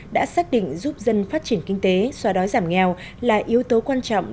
đã xác định giúp dân phát triển kinh tế xóa đói giảm nghèo là yếu tố quan trọng